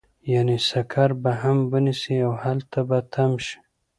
يعنې سکر به هم ونيسي او هلته به تم شي.